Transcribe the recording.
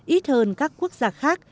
ít hơn các quốc gia khác